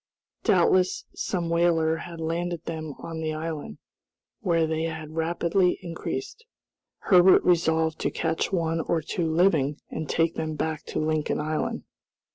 Doubtless some whaler had landed them on the island, where they had rapidly increased. Herbert resolved to catch one or two living, and take them back to Lincoln Island.